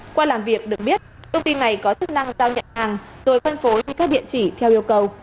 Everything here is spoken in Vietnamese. qua làm việc được biết công ty này có chức năng giao nhận hàng rồi phân phối các địa chỉ theo yêu cầu